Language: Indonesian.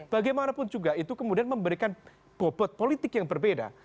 bagaimanapun juga itu kemudian memberikan bobot politik yang berbeda